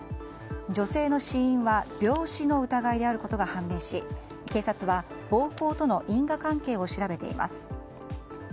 女性の死因は病死の疑いであることが判明し警察は暴行との因果関係を調べています。